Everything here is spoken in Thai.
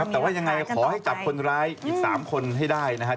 แต่ว่ายังไงขอให้จับคนร้ายอีก๓คนให้ได้นะครับ